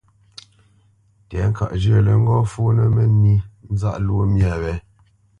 Tɛ̌ŋkaʼ zhyə̂ lə́ ŋgɔ́ fǔnə́ mə́nī nzáʼ lwó myâ wě,